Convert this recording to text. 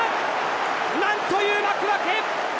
何という幕開け！